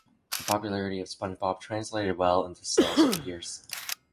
The popularity of SpongeBob translated well into sales figures.